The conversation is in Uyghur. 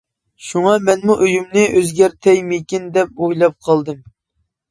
شۇڭا مەنمۇ ئۆيۈمنى ئۆزگەرتەيمىكىن دەپ ئويلاپ قالدىم.